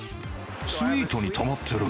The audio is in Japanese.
スイートに泊まってる。